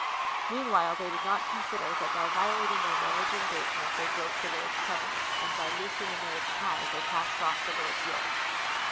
Meanwhile they did not consider that by violating their marriage engagement they broke the Lord's covenant, and by loosing the marriage tie, they cast off the Lord's yoke.